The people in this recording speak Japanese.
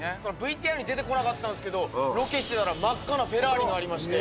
ＶＴＲに出てこなかったんですけどロケしてたら真っ赤なフェラーリがありまして。